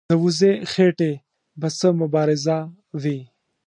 د وږي خېټې به څه مبارزه وي.